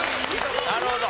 なるほど。